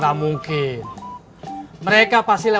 ya udah aku mau pulang